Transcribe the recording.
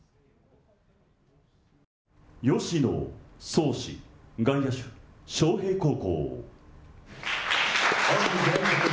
吉野創士外野手、昌平高校。